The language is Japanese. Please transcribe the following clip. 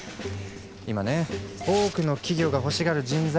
今ね多くの企業が欲しがる人材